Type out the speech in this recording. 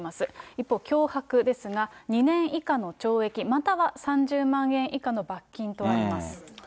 一方、脅迫ですが、２年以下の懲役、または３０万円以下の罰金とあります。